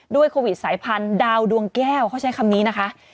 โควิดสายพันธุ์ดาวดวงแก้วเขาใช้คำนี้นะคะ